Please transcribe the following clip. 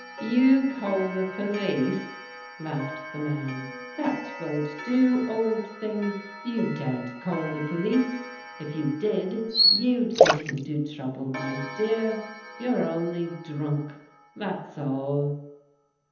''You call the police!" laughed the man. "That won't do, old thing. You daren't call the police. If you did, you'd get into trouUe, my dear. You're cmly drunk, that's all."